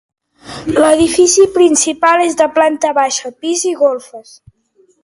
L'edifici principal és de planta baixa, pis i golfes.